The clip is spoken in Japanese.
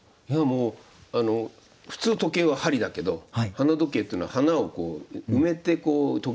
いやもう普通時計は針だけど花時計っていうのは花を埋めてこう。